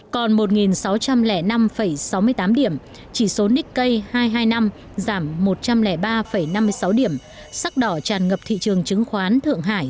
còn một sáu trăm linh năm sáu mươi tám điểm chỉ số nikkei hai trăm hai mươi năm giảm một trăm linh ba năm mươi sáu điểm sắc đỏ tràn ngập thị trường chứng khoán thượng hải